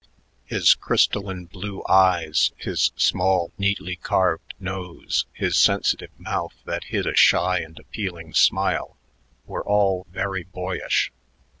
His crystalline blue eyes, his small, neatly carved nose, his sensitive mouth that hid a shy and appealing smile, were all very boyish.